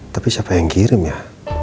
tapi siapa yang kirim ya